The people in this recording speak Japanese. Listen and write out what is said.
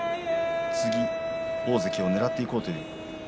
次、大関をねらっていこうという。